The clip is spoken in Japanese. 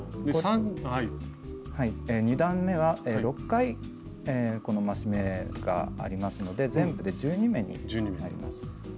２段めは６回この増し目がありますので全部で１２目になります。